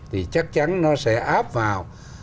thì chắc chắn nó sẽ áp vào